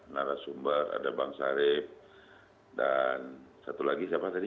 nara sumber ada bang sarif dan satu lagi siapa tadi